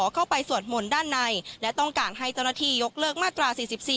สวดมนต์ด้านในและต้องการให้เจ้าหน้าที่ยกเลิกมาตรา๔๔